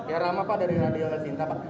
ya rama pak dari radio helsinta